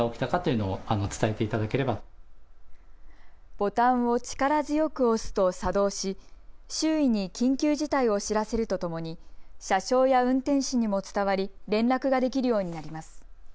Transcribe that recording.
ボタンを力強く押すと作動し周囲に緊急事態を知らせるとともに車掌や運転士にも伝わり連絡ができるようになります。